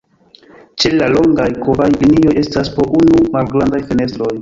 Ĉe la longaj kurbaj linioj estas po unu malgrandaj fenestroj.